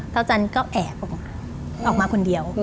เท้าจันก็แอบออกมาคนเดียว